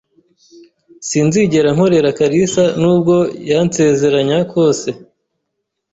Sinzigera nkorera kalisa nubwo yansezeranya kose.